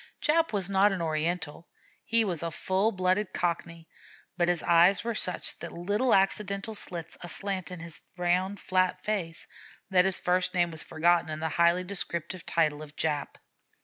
Jap was not an Oriental; he was a full blooded Cockney, but his eyes were such little accidental slits aslant in his round, flat face, that his first name was forgotten in the highly descriptive title of "Jap."